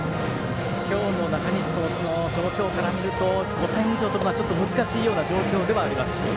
きょうの中西投手の状態から見ると５点以上取るのは、ちょっと難しいような状況ではあります。